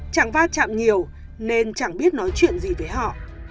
chẳng va chạm nhiều nên chẳng biết nói chuyện gì với họ